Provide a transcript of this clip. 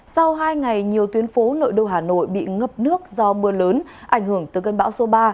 sau hai ngày nhiều tuyến phố nội đô hà nội bị ngập nước do mưa lớn ảnh hưởng từ cơn bão số ba